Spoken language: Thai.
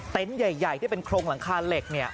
เต็นต์ใหญ่ที่เป็นโครงหลังคาเหล็กน์